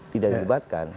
tidak di gebatkan